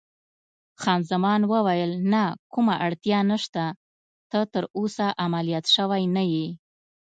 خان زمان وویل: نه، کومه اړتیا نشته، ته تراوسه عملیات شوی نه یې.